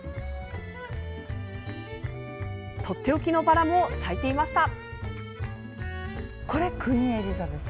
とっておきのバラも咲いていました。